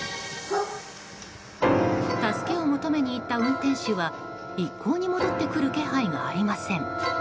助けを求めに行った運転手は一向に戻ってくる気配がありません。